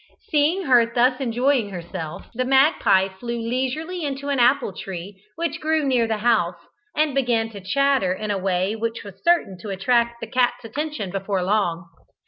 Seeing her thus enjoying herself, the magpie flew leisurely into an apple tree which grew near the house, and began to chatter in a way which was certain to attract the cat's attention before long.